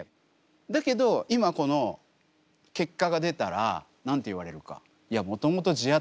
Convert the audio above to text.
だけど今この結果が出たら何て言われるか？